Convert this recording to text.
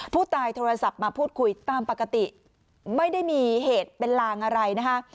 ผู้ตายโทรศัพท์มาพูดคุยตามปกติไม่ได้มีเหตุเป็นลางอะไรนะคะ